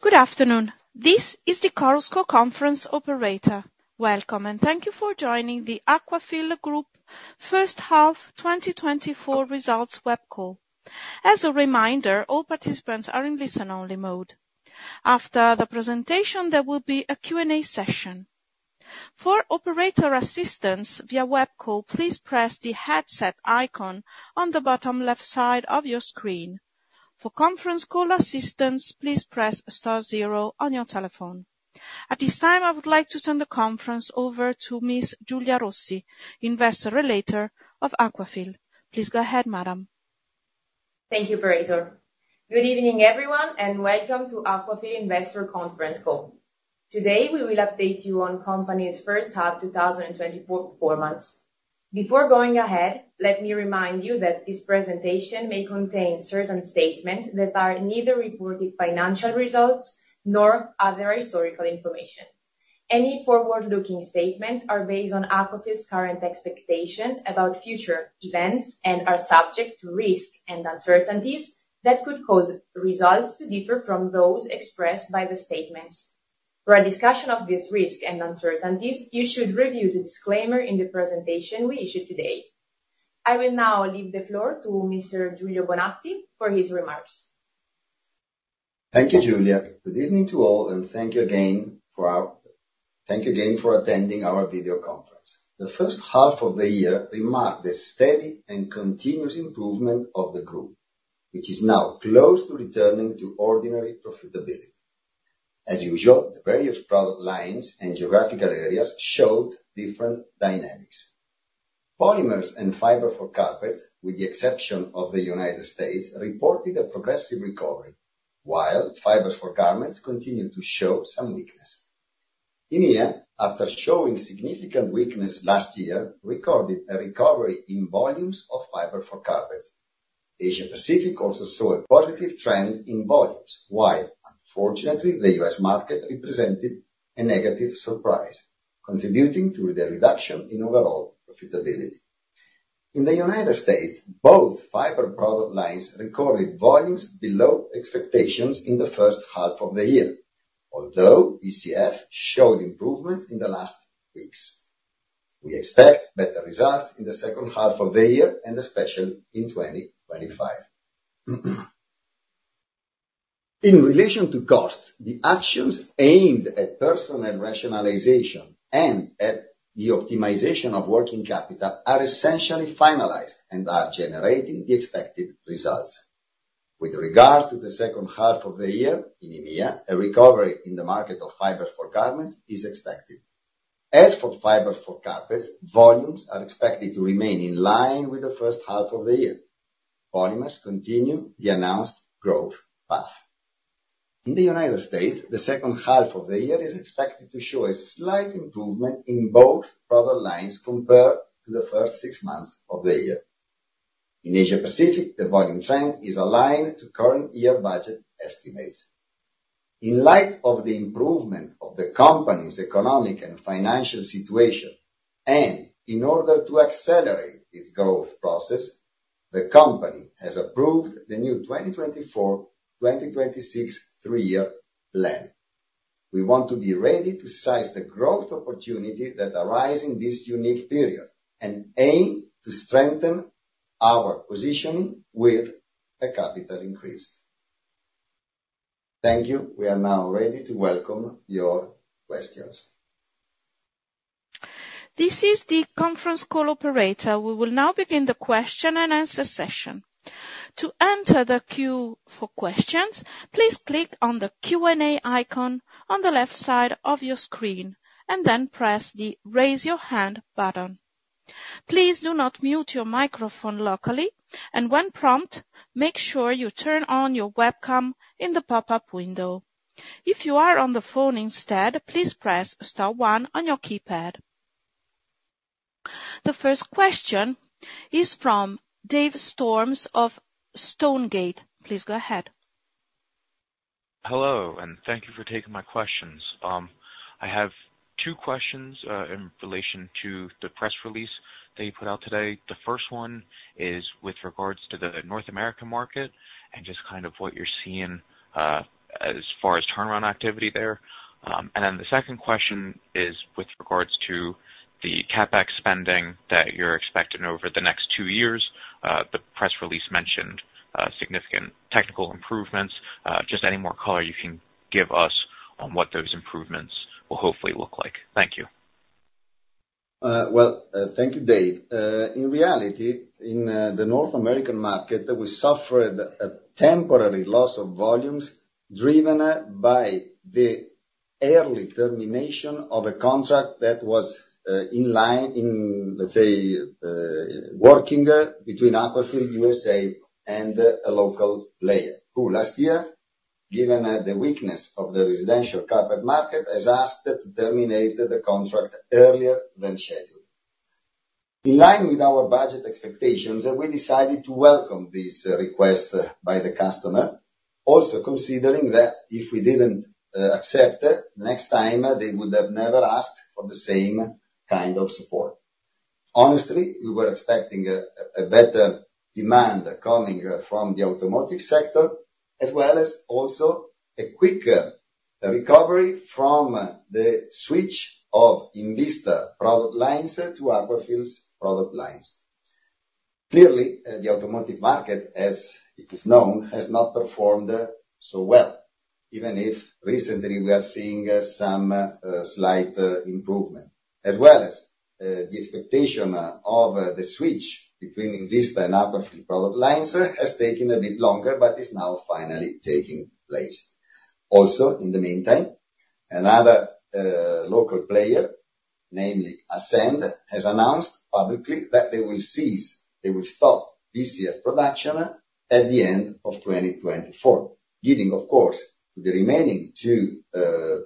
Good afternoon. This is the Chorus Call conference operator. Welcome, and thank you for joining the Aquafil Group first half 2024 results web call. As a reminder, all participants are in listen-only mode. After the presentation, there will be a Q&A session. For operator assistance via web call, please press the headset icon on the bottom left side of your screen. For conference call assistance, please press star zero on your telephone. At this time, I would like to turn the conference over to Ms. Giulia Rossi, investor relator of Aquafil. Please go ahead, madam. Thank you, operator. Good evening, everyone, and welcome to Aquafil investor conference call. Today, we will update you on company's first half 2024 performance. Before going ahead, let me remind you that this presentation may contain certain statement that are neither reported financial results nor other historical information. Any forward-looking statement are based on Aquafil's current expectation about future events and are subject to risk and uncertainties that could cause results to differ from those expressed by the statements. For a discussion of this risk and uncertainties, you should review the disclaimer in the presentation we issued today. I will now leave the floor to Mr. Giulio Bonazzi for his remarks. Thank you, Giulia. Good evening to all, and thank you again for attending our video conference. The first half of the year remarked the steady and continuous improvement of the group, which is now close to returning to ordinary profitability. As usual, the various product lines and geographical areas showed different dynamics. Polymers and fiber for carpets, with the exception of the United States, reported a progressive recovery, while fibers for garments continued to show some weakness. EMEA, after showing significant weakness last year, recorded a recovery in volumes of fiber for carpets. Asia-Pacific also saw a positive trend in volumes, while unfortunately, the U.S. market represented a negative surprise, contributing to the reduction in overall profitability. In the United States, both fiber product lines recorded volumes below expectations in the first half of the year, although BCF showed improvements in the last weeks. We expect better results in the second half of the year, and especially in 2025. In relation to costs, the actions aimed at personal rationalization and at the optimization of working capital are essentially finalized and are generating the expected results. With regards to the second half of the year in EMEA, a recovery in the market of fibers for garments is expected. As for fibers for carpets, volumes are expected to remain in line with the first half of the year. Polymers continue the announced growth path. In the United States, the second half of the year is expected to show a slight improvement in both product lines compared to the first six months of the year. In Asia-Pacific, the volume trend is aligned to current year budget estimates. In light of the improvement of the company's economic and financial situation, in order to accelerate its growth process, the company has approved the new 2024, 2026 three-year plan. We want to be ready to seize the growth opportunity that arise in this unique period and aim to strengthen our positioning with a capital increase. Thank you. We are now ready to welcome your questions. This is the conference call operator. We will now begin the question-and-answer session. To enter the queue for questions, please click on the Q&A icon on the left side of your screen, then press the Raise Your Hand button. Please do not mute your microphone locally, and when prompt, make sure you turn on your webcam in the pop-up window. If you are on the phone instead, please press star one on your keypad. The first question is from Dave Storms of Stonegate. Please go ahead. Hello, thank you for taking my questions. I have two questions, in relation to the press release that you put out today. The first one is with regards to the North American market and just kind of what you're seeing, as far as turnaround activity there. The second question is with regards to the CapEx spending that you're expecting over the next two years. The press release mentioned significant technical improvements. Just any more color you can give us on what those improvements will hopefully look like. Thank you. Well, thank you, Dave. In reality, in the North American market, we suffered a temporary loss of volumes driven by the early termination of a contract that was in line, let's say, working between Aquafil USA and a local player who last year, given the weakness of the residential carpet market, has asked to terminate the contract earlier than scheduled. In line with our budget expectations, we decided to welcome this request by the customer. Also considering that if we didn't accept it, next time they would have never asked for the same kind of support. Honestly, we were expecting a better demand coming from the automotive sector, as well as also a quicker recovery from the switch of INVISTA product lines to Aquafil's product lines. Clearly, the automotive market, as it is known, has not performed so well, even if recently we are seeing some slight improvement. As well as the expectation of the switch between INVISTA and Aquafil product lines has taken a bit longer, but is now finally taking place. Also, in the meantime, another local player, namely Ascend, has announced publicly that they will stop BCF production at the end of 2024, giving, of course, the remaining two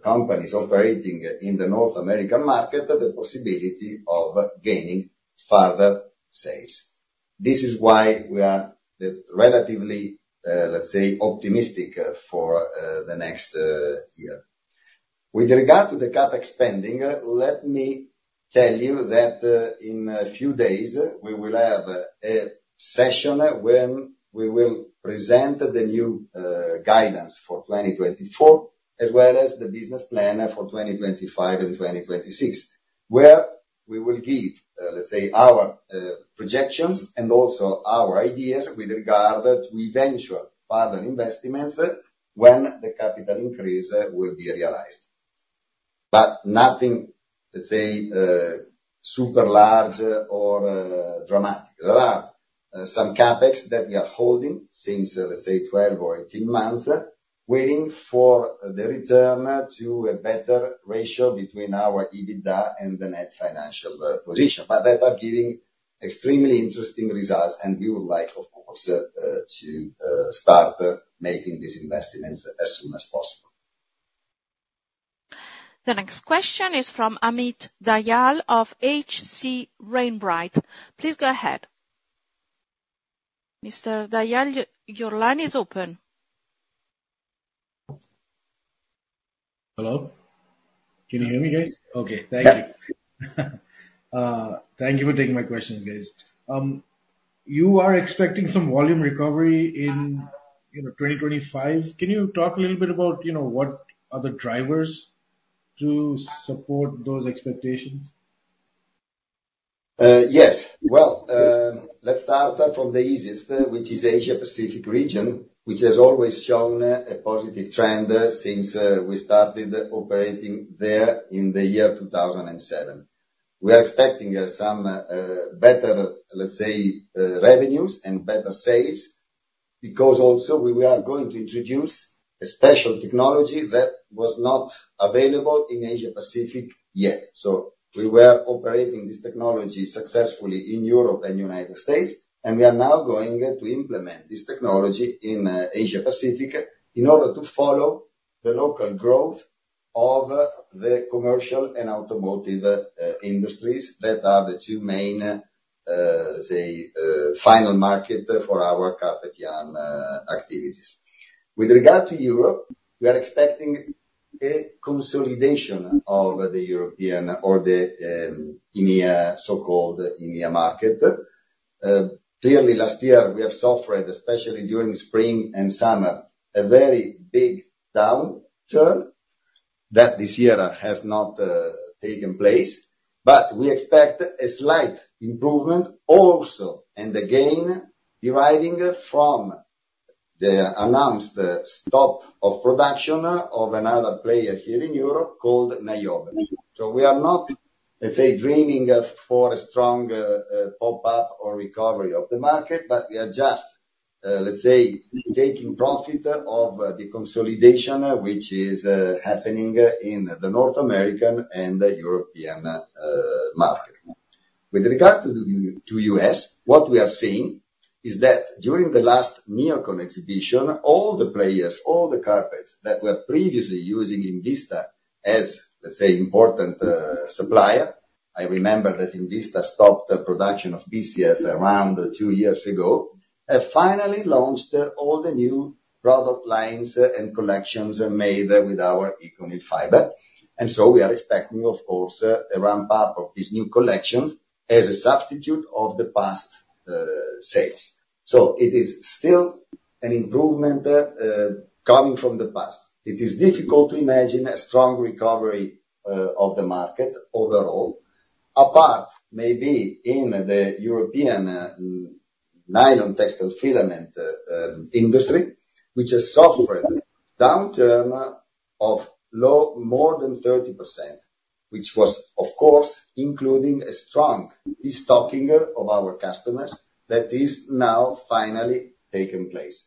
companies operating in the North American market, the possibility of gaining further sales. This is why we are relatively, let's say, optimistic for the next year. With regard to the CapEx spending, let me tell you that in a few days, we will have a session when we will present the new guidance for 2024, as well as the business plan for 2025 and 2026, where we will give, let's say, our projections and also our ideas with regard to eventual further investments when the capital increase will be realized. Nothing, let's say, super large or dramatic. There are some CapEx that we are holding since, let's say, 12 or 18 months, waiting for the return to a better ratio between our EBITDA and the net financial position. That are giving extremely interesting results, and we would like, of course, to start making these investments as soon as possible. The next question is from Amit Dayal of H.C. Wainwright. Please go ahead. Mr. Dayal, your line is open. Hello. Can you hear me, guys? Okay, thank you. Thank you for taking my questions, guys. You are expecting some volume recovery in 2025. Can you talk a little bit about what are the drivers to support those expectations? Yes. Well, let's start from the easiest, which is Asia Pacific region, which has always shown a positive trend since we started operating there in 2007. We are expecting some better, let's say, revenues and better sales because we are going to introduce a special technology that was not available in Asia Pacific yet. We were operating this technology successfully in Europe and U.S., and we are now going to implement this technology in Asia Pacific in order to follow the local growth of the commercial and automotive industries that are the two main, let's say, final market for our carpet yarn activities. With regard to Europe, we are expecting a consolidation of the European or the so-called EMEA market. Clearly, last year, we have suffered, especially during spring and summer, a very big downturn that this year has not taken place, but we expect a slight improvement also, again, deriving from the announced stop of production of another player here in Europe called Nilit. We are not, let's say, dreaming for a strong pop-up or recovery of the market, but we are just, let's say, taking profit of the consolidation which is happening in the North American and European market. With regard to U.S., what we are seeing is that during the last NEOCON exhibition, all the players, all the carpets that were previously using INVISTA as, let's say, important supplier, I remember that INVISTA stopped the production of BCF around two years ago, have finally launched all the new product lines and collections made with our ECONYL fiber. We are expecting, of course, a ramp-up of these new collections as a substitute of the past sales. It is still an improvement coming from the past. It is difficult to imagine a strong recovery of the market overall, apart maybe in the European nylon textile filament industry, which has suffered a downturn of more than 30%, which was, of course, including a strong destocking of our customers that is now finally taking place.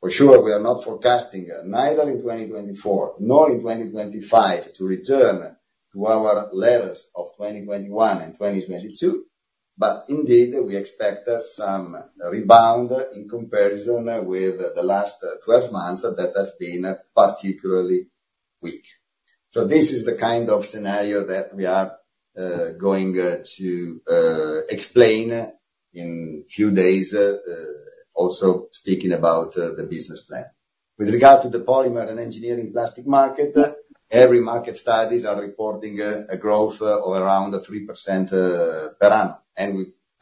For sure, we are not forecasting, neither in 2024 nor in 2025, to return to our levels of 2021 and 2022, but indeed, we expect some rebound in comparison with the last 12 months that have been particularly weak. This is the kind of scenario that we are going to explain in few days, also speaking about the business plan. With regard to the polymer and engineering plastic market, every market studies are reporting a growth of around 3% per annum.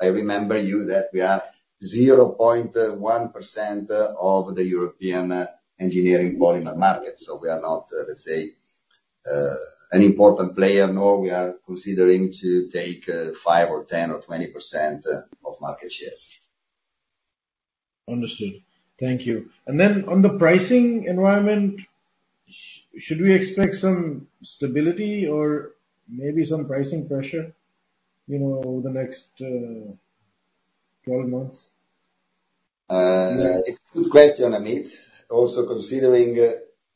I remember you that we are 0.1% of the European engineering polymer market. We are not, let's say, an important player, nor we are considering to take five or 10 or 20% of market shares. Understood. Thank you. Then on the pricing environment, should we expect some stability or maybe some pricing pressure over the next 12 months? It's a good question, Amit, also considering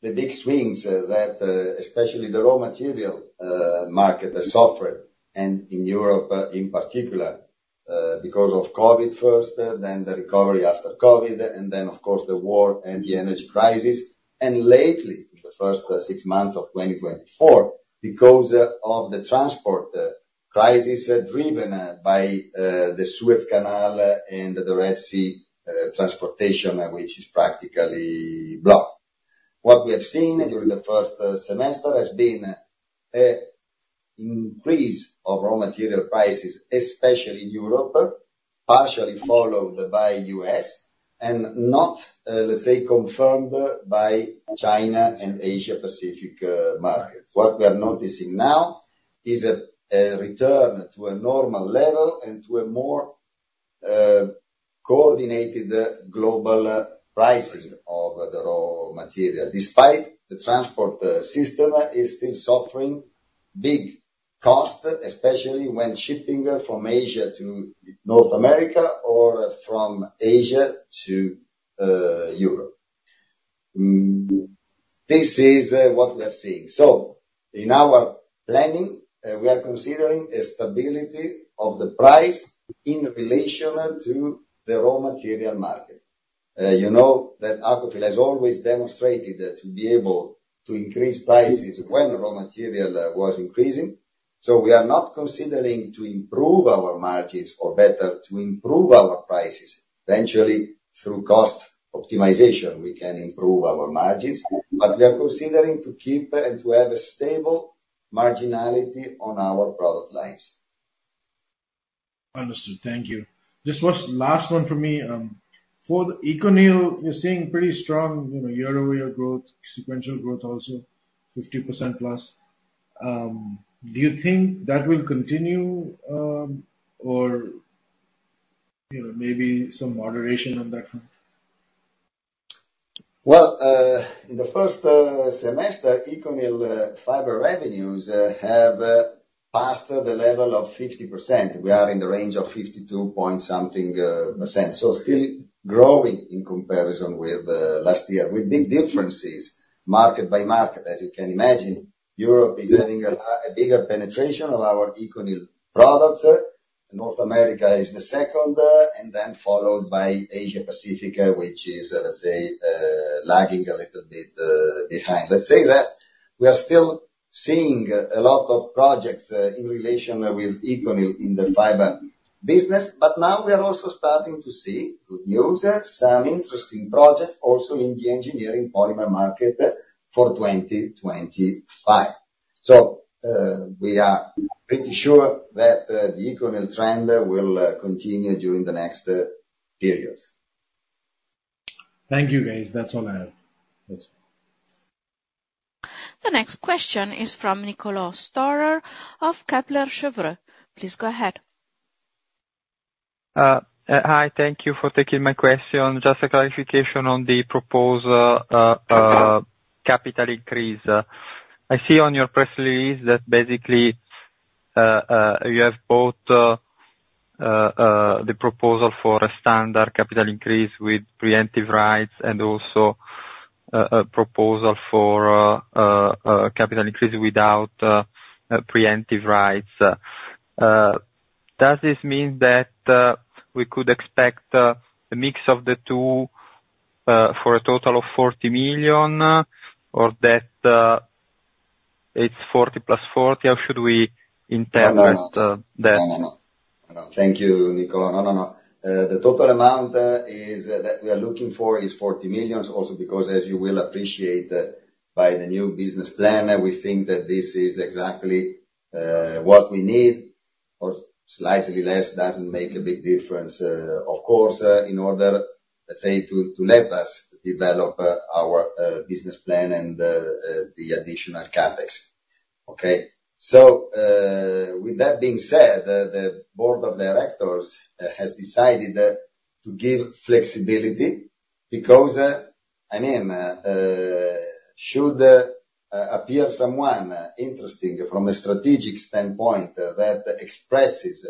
the big swings that especially the raw material market has suffered, in Europe in particular, because of COVID first, then the recovery after COVID, of course the war and the energy crisis, and lately, the first 6 months of 2024, because of the transport crisis driven by the Suez Canal and the Red Sea transportation, which is practically blocked. What we have seen during the first semester has been an increase of raw material prices, especially in Europe, partially followed by U.S., and not let's say confirmed by China and Asia Pacific markets. What we are noticing now is a return to a normal level and to a more coordinated global pricing of the raw material, despite the transport system is still suffering big cost, especially when shipping from Asia to North America or from Asia to Europe. This is what we are seeing. In our planning, we are considering a stability of the price in relation to the raw material market. You know that Aquafil has always demonstrated to be able to increase prices when raw material was increasing. We are not considering to improve our margins or better to improve our prices. Eventually, through cost optimization, we can improve our margins, but we are considering to keep and to have a stable marginality on our product lines. Understood. Thank you. This was last one from me. For the ECONYL, we're seeing pretty strong year-over-year growth, sequential growth also 50%+. Do you think that will continue, or maybe some moderation on that front? In the first semester, ECONYL fiber revenues have passed the level of 50%. We are in the range of 52 point something %. Still growing in comparison with last year, with big differences, market by market. As you can imagine, Europe is having a bigger penetration of our ECONYL products. North America is the second, followed by Asia Pacific, which is, let's say, lagging a little bit behind. Let's say that we are still seeing a lot of projects in relation with ECONYL in the fiber business. Now we are also starting to see good news, some interesting projects also in the engineering polymer market for 2025. We are pretty sure that the ECONYL trend will continue during the next periods. Thank you, guys. That's all I have. Thanks. The next question is from Nicolò Storer of Kepler Cheuvreux. Please go ahead. Hi. Thank you for taking my question. Just a clarification on the proposed capital increase. I see on your press release that basically, you have both the proposal for a standard capital increase with preemptive rights and also a proposal for capital increase without preemptive rights. Does this mean that we could expect a mix of the two for a total of 40 million or that it's 40 plus 40? Should we interpret that- No. Thank you, Nicolò. No. The total amount that we are looking for is 40 million, also because, as you will appreciate by the new business plan, we think that this is exactly what we need or slightly less doesn't make a big difference, of course, in order, let's say, to let us develop our business plan and the additional CapEx. Okay. With that being said, the board of directors has decided to give flexibility because, should appear someone interesting from a strategic standpoint that expresses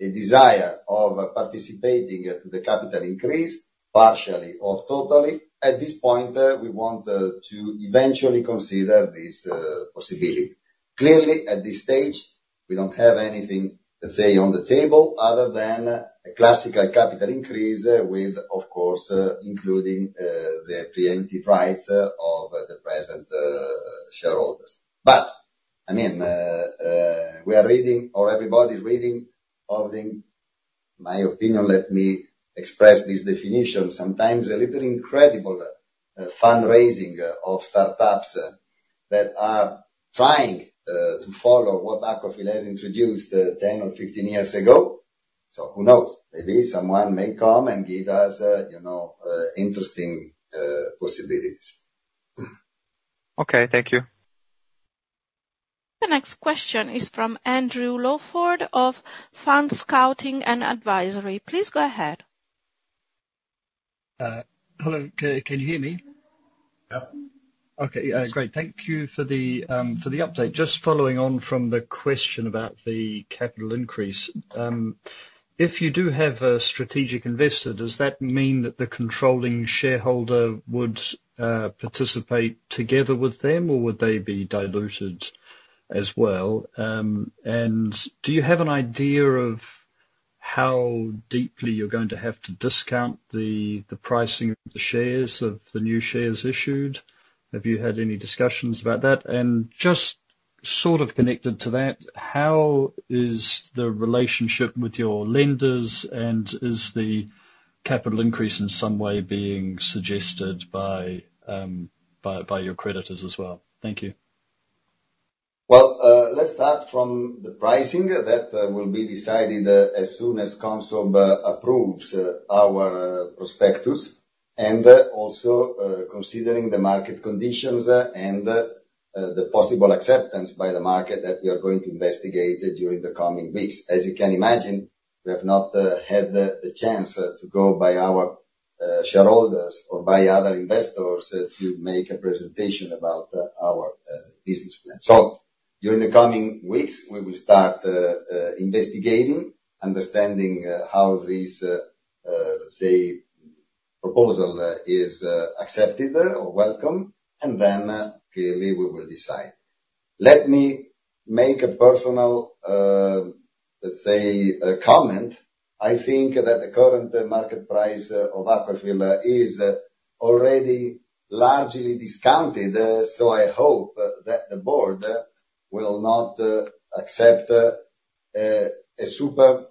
a desire of participating at the capital increase, partially or totally, at this point, we want to eventually consider this possibility. Clearly, at this stage, we don't have anything, let's say, on the table other than a classical capital increase with, of course, including the preemptive rights of the present shareholders. I mean, we are reading, or everybody's reading of the, my opinion, let me express this definition, sometimes a little incredible fundraising of startups that are trying to follow what Aquafil has introduced 10 or 15 years ago. Who knows? Maybe someone may come and give us interesting possibilities. Okay. Thank you. The next question is from Andrew Lawford of Fund Scouting and Advisory. Please go ahead. Hello. Can you hear me? Yep. Okay, great. Thank you for the update. Just following on from the question about the capital increase. If you do have a strategic investor, does that mean that the controlling shareholder would participate together with them, or would they be diluted as well? Do you have an idea of how deeply you're going to have to discount the pricing of the shares of the new shares issued? Have you had any discussions about that? Just sort of connected to that, how is the relationship with your lenders, and is the capital increase in some way being suggested by your creditors as well? Thank you. Well, let's start from the pricing. That will be decided as soon as CONSOB approves our prospectus. Also, considering the market conditions and the possible acceptance by the market that we are going to investigate during the coming weeks. As you can imagine, we have not had the chance to go by our shareholders or by other investors to make a presentation about our business plan. During the coming weeks, we will start investigating, understanding how this, let's say, proposal is accepted or welcome, and then clearly we will decide. Let me make a personal, let's say, comment. I think that the current market price of Aquafil is already largely discounted, so I hope that the board will not accept a super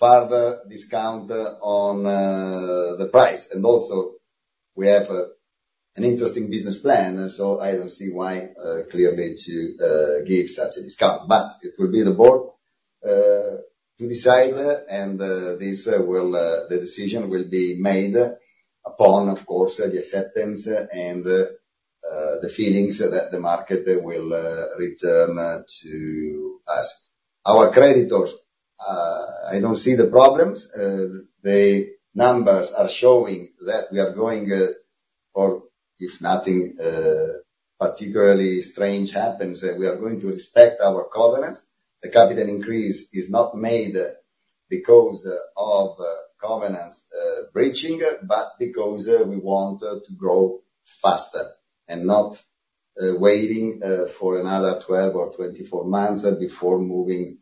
further discount on the price. Also, we have an interesting business plan, so I don't see why, clearly, to give such a discount. It will be the board to decide, and the decision will be made upon, of course, the acceptance and the feelings that the market will return to us. Our creditors, I don't see the problems. The numbers are showing that we are going or if nothing particularly strange happens, we are going to respect our covenants. The capital increase is not made because of covenants breaching, but because we want to grow faster and not waiting for another 12 or 24 months before moving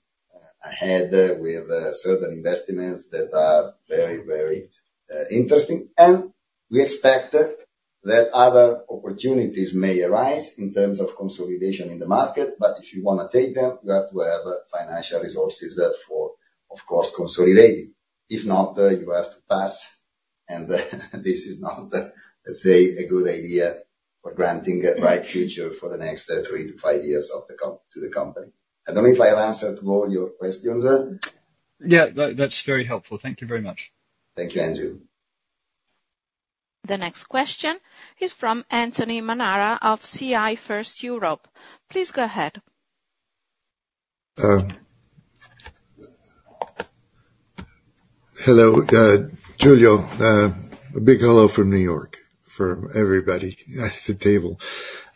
ahead with certain investments that are very interesting. We expect that other opportunities may arise in terms of consolidation in the market. If you want to take them, you have to have financial resources for, of course, consolidating. If not, you have to pass, and this is not, let's say, a good idea for granting a bright future for the next three to five years to the company. I don't know if I have answered all your questions. Yeah, that's very helpful. Thank you very much. Thank you, Andrew. The next question is from Anthony Mannara of CI FirstEurope. Please go ahead. Hello, Giulio. A big hello from New York from everybody at the table.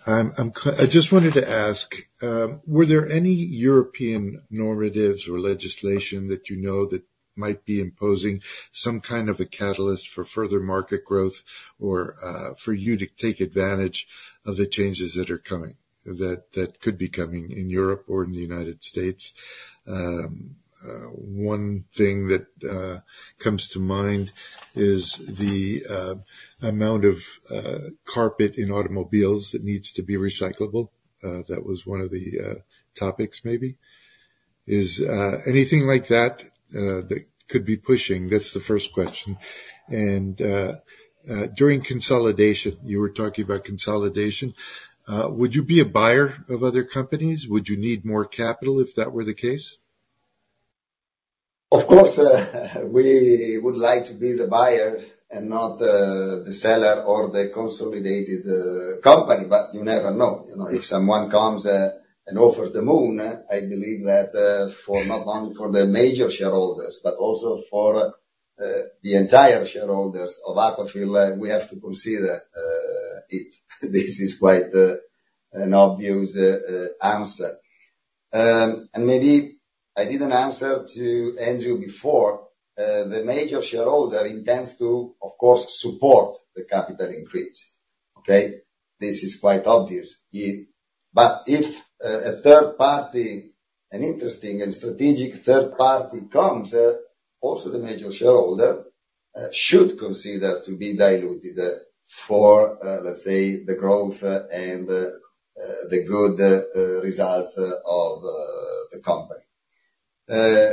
I just wanted to ask, were there any European narratives or legislation that you know that might be imposing some kind of a catalyst for further market growth or, for you to take advantage of the changes that are coming, that could be coming in Europe or in the United States? One thing that comes to mind is the amount of carpet in automobiles that needs to be recyclable. That was one of the topics, maybe. Is anything like that could be pushing? That's the first question. During consolidation, you were talking about consolidation. Would you be a buyer of other companies? Would you need more capital if that were the case? Of course, we would like to be the buyer and not the seller or the consolidated company, but you never know. If someone comes, and offers the moon, I believe that, for not only for the major shareholders, but also for the entire shareholders of Aquafil, we have to consider it. This is quite an obvious answer. Maybe I didn't answer to Andrew before. The major shareholder intends to, of course, support the capital increase. Okay. This is quite obvious. If a third party, an interesting and strategic third party comes, also the major shareholder should consider to be diluted for, let's say, the growth and the good results of the company.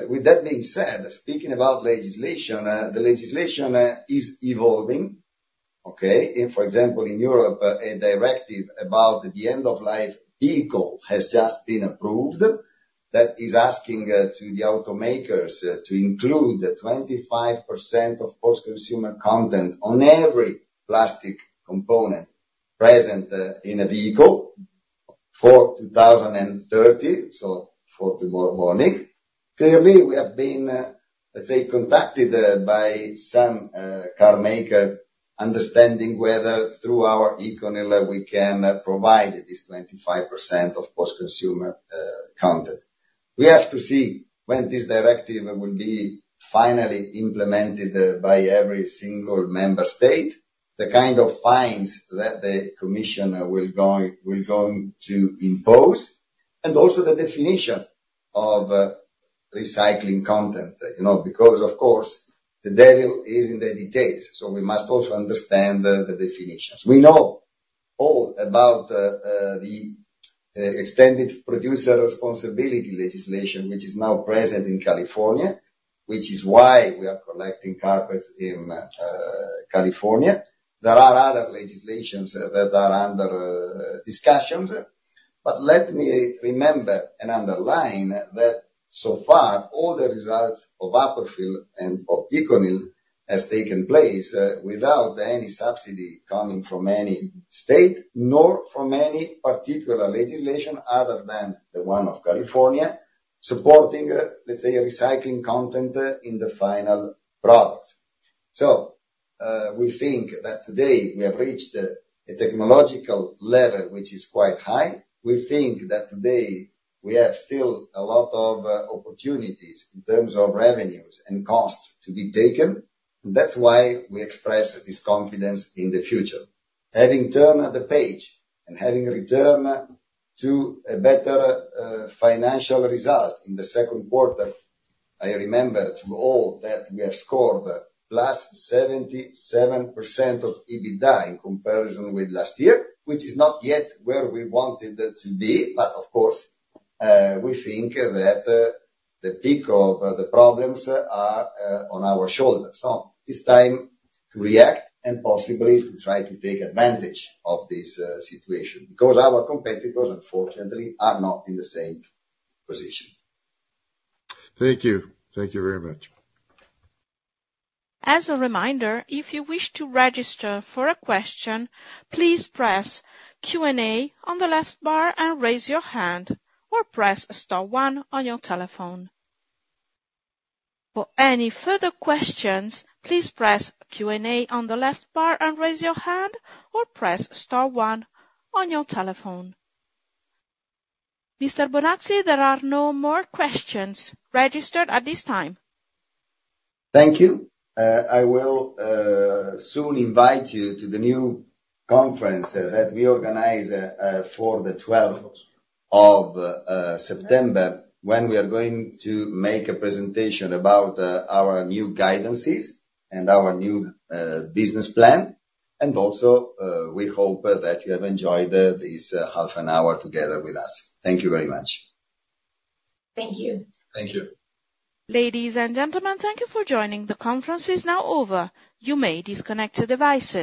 With that being said, speaking about legislation, the legislation is evolving, okay. For example, in Europe, a directive about the end of life vehicle has just been approved, that is asking to the automakers to include 25% of post-consumer content on every plastic component present in a vehicle for 2030, so for tomorrow morning. Clearly, we have been, let's say, contacted by some car maker understanding whether, through our ECONYL, we can provide this 25% of post-consumer content. We have to see when this directive will be finally implemented by every single member state, the kind of fines that the commission will going to impose, and also the definition of recycling content. Of course, the devil is in the details, so we must also understand the definitions. We know all about the extended producer responsibility legislation, which is now present in California, which is why we are collecting carpets in California. There are other legislations that are under discussions. Let me remember and underline that so far, all the results of Aquafil and of ECONYL has taken place without any subsidy coming from any state, nor from any particular legislation other than the one of California, supporting, let's say, a recycling content in the final product. We think that today we have reached a technological level which is quite high. We think that today we have still a lot of opportunities in terms of revenues and costs to be taken. That's why we express this confidence in the future. Having turned the page and having returned to a better financial result in the second quarter, I remember to all that we have scored plus 77% of EBITDA in comparison with last year, which is not yet where we wanted to be. Of course, we think that the peak of the problems are on our shoulders. It's time to react and possibly to try to take advantage of this situation, because our competitors, unfortunately, are not in the same position. Thank you. Thank you very much. As a reminder, if you wish to register for a question, please press Q&A on the left bar and raise your hand, or press star one on your telephone. For any further questions, please press Q&A on the left bar and raise your hand, or press star one on your telephone. Mr. Bonazzi, there are no more questions registered at this time. Thank you. I will soon invite you to the new conference that we organize for the 12th of September, when we are going to make a presentation about our new guidances and our new business plan, and also we hope that you have enjoyed this half an hour together with us. Thank you very much. Thank you. Thank you. Ladies and gentlemen, thank you for joining. The conference is now over. You may disconnect your devices.